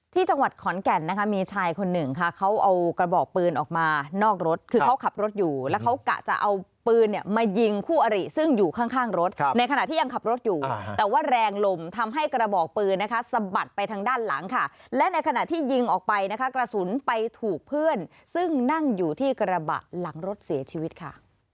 ที่จังหวัดขอนแก่นนะคะมีชายคนหนึ่งค่ะเขาเอากระบอกปืนออกมานอกรถคือเขาขับรถอยู่แล้วเขากะจะเอาปืนเนี่ยมายิงคู่อริซึ่งอยู่ข้างรถในขณะที่ยังขับรถอยู่แต่ว่าแรงลมทำให้กระบอกปืนนะคะสะบัดไปทางด้านหลังค่ะและในขณะที่ยิงออกไปนะคะกระสุนไปถูกเพื่อนซึ่งนั่งอยู่ที่กระบะหลังรถเสียชีวิตค่ะ